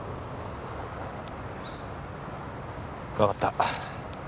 わかった。